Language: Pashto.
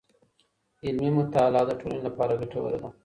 علمي مطالعه د ټولني لپاره ګټوره ده.